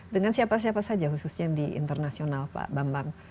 dengan siapa siapa saja khususnya di internasional pak bambang